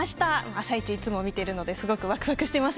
「あさイチ」いつも見ているのですごくわくわくしています。